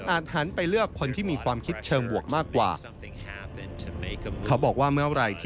หันไปเลือกคนที่มีความคิดเชิงบวกมากกว่า